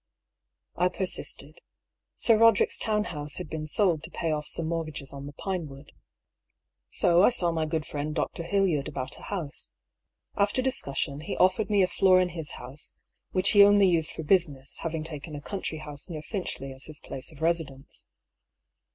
I persisted. Sir Eoderick's town house had been sold to pay off some mortgages on the Pinewood. So I saw my good friend Dr. Hildyard about a house. After discussion, he offered me a floor in his house (which he only used for business, having taken a country house near Finchley as his place of residence).